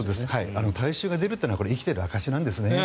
体臭が出るというのは生きている証しなんですね。